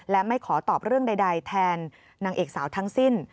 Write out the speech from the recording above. และไม่ขอตอบเรื่องใดแทนนางเอกสาวทั้งสิ้น